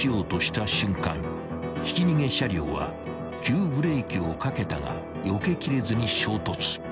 ひき逃げ車両は急ブレーキをかけたがよけきれずに衝突］